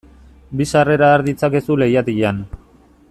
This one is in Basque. Bi sarrera har ditzakezu leihatilan.